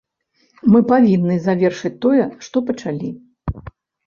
Мы павінны завершыць тое, што пачалі.